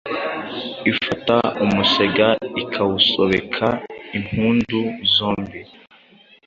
Ifata umusega ikawusobeka impindu zombie,